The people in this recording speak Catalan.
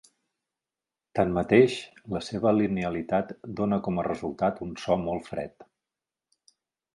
Tanmateix, la seva linealitat dóna com a resultat un so molt fred.